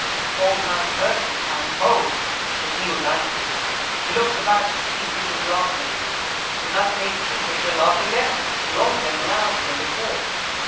"Old man heard him and Ho! but he was angry. He looked about to see who was laughing at him and that made Kingfisher laugh again, longer and louder than before.